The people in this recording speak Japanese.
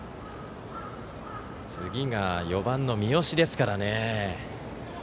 次が４番の三好ですからね。